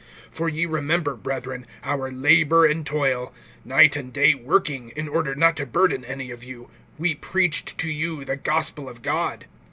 (9)For ye remember, brethren, our labor and toil; night and day working, in order not to burden any of you, we preached to you the gospel of God.